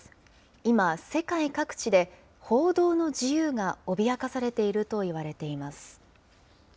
今、世界各地で報道の自由が脅かされているといわれています。